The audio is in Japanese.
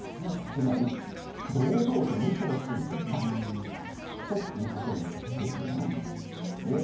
つまり、堂々と嘘をついていたということです。